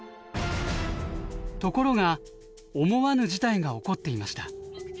ところが思わぬ事態が起こっていました。